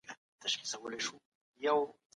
روغتونونه او ښوونځي د ټولني شتمني ده.